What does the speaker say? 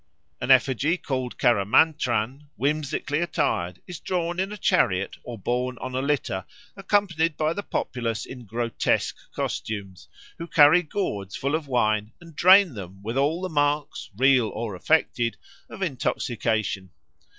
An effigy called Caramantran, whimsically attired, is drawn in a chariot or borne on a litter, accompanied by the populace in grotesque costumes, who carry gourds full of wine and drain them with all the marks, real or affected, of intoxication.